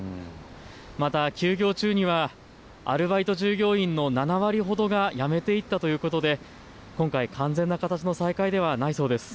また休業中にはアルバイト従業員の７割ほどが辞めていったということで今回、完全な形の再開ではないそうです。